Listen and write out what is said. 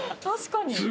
確かに。